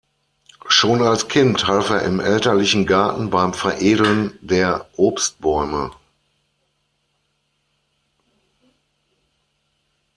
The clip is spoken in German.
Schon als Kind half er im elterlichen Garten beim Veredeln der Obstbäume.